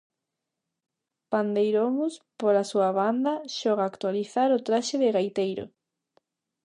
Pandeiromus, pola súa banda, xoga a actualizar o traxe de gaiteiro.